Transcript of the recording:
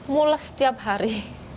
mules setiap hari